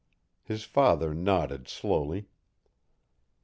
His father nodded slowly.